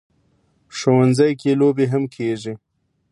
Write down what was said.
ښوونځی کې لوبې هم کېږي